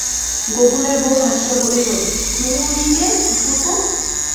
গোকুলের বউ হাসিয়া বলিল, ঘুমোও নি যে ঠাকুরপো?